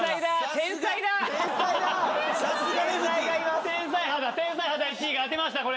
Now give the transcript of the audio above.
天才肌１位が当てましたこれ。